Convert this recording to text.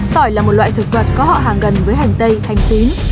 tỏi là một loại thực vật có họ hàng gần với hành tây hành xín